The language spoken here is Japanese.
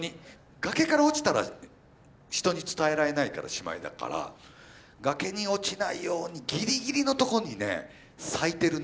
崖から落ちたら人に伝えられないからしまいだから崖に落ちないようにぎりぎりのとこにね咲いてるね